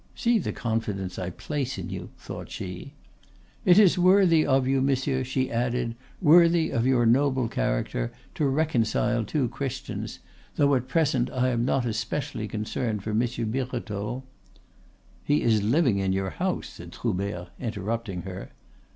("See the confidence I place in you," thought she.) "It is worthy of you, monsieur," she added, "worthy of your noble character, to reconcile two Christians, though at present I am not especially concerned for Monsieur Birotteau " "He is living in your house," said Troubert, interrupting her.